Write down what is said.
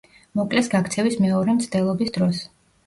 მოკლეს გაქცევის მეორე მცდელობის დროს.